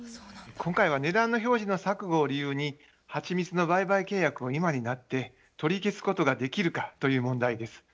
今回は値段の表示の錯誤を理由にはちみつの売買契約を今になって取り消すことができるかという問題です。